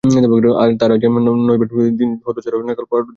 তার আজ নাইবার দিন-হতচ্ছাড়া মেয়ের নাগাল পাওয়ার জো আছে?